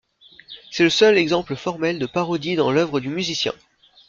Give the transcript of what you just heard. C'est le seul exemple formel de parodie dans l'œuvre du musicien.